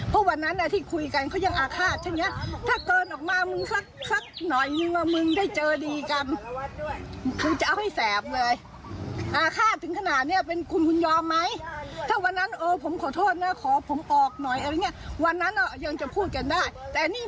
ป้าสาเหตุที่เราทำเพราะว่าเราโมโหใช่ไหมครับที่ทำแบบนี้